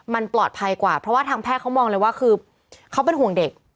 มันปลอดภัยกว่าเพราะว่าทางแพทย์เขามองเลยว่าคือเขาเป็นห่วงเด็ก